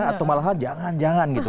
atau malah jangan jangan gitu